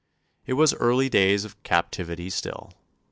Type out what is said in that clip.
It was early days of captivity still.